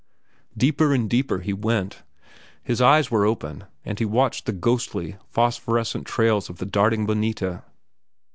Deeper and deeper he went. His eyes were open, and he watched the ghostly, phosphorescent trails of the darting bonita.